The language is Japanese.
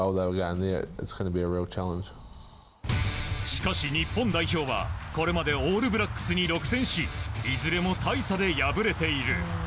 しかし、日本代表はこれまでオールブラックスに６戦しいずれも大差で敗れている。